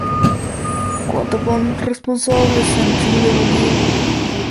Cuenta con corresponsales en Chile, Bolivia, Ecuador, Perú, Paraguay, Uruguay y Colombia.